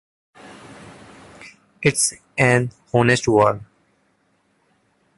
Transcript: It's an honest word.